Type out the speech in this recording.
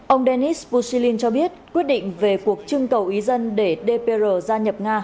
ông denis businlin cho biết quyết định về cuộc trưng cầu ý dân để dpr gia nhập nga